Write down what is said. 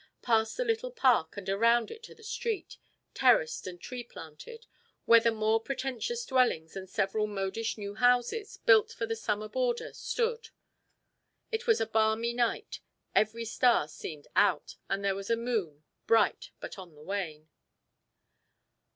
Past the little park and around it to the street, terraced and tree planted, where the more pretentious dwellings and several modish new houses, built for the summer boarder, stood. It was a balmy night. Every star seemed out, and there was a moon, bright, but on the wane.